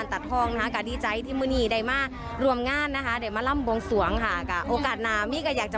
แล้วก็พี่เห็นน้องลำไยสวยลำได้สวยสดมากนะฮะ